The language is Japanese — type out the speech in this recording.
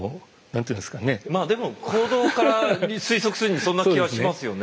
まあでも行動から推測するにそんな気はしますよね。